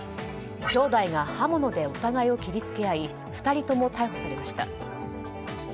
兄弟が刃物でお互いを切り付け合い２人とも逮捕されました。